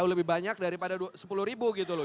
jauh lebih banyak daripada sepuluh gitu lho